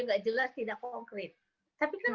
nggak jelas tidak konkret tapi kan